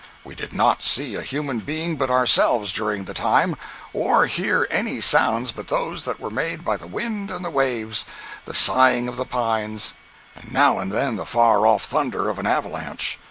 We did not see a human being but ourselves during the time, or hear any sounds but those that were made by the wind and the waves, the sighing of the pines, and now and then the far off thunder of an avalanche.